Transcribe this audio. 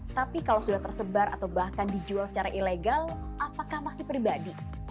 tapi kalau sudah tersebar atau bahkan dijual secara ilegal apakah masih pribadi